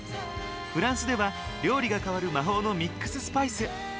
フランスでは料理が香る魔法のミックススパイス。